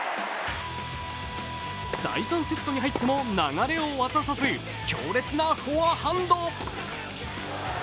第３セットに入っても流れを渡さず強烈なフォアハンド。